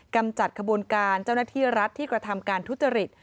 กำจัดขบวนการเจ้าหน้าที่รัฐที่กระทำการทุจริต